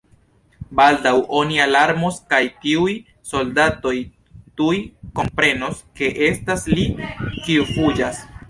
Baldaŭ oni alarmos kaj tiuj soldatoj tuj komprenos, ke estas li, kiu fuĝas.